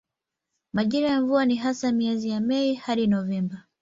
Majira ya mvua ni hasa miezi ya Mei hadi Novemba.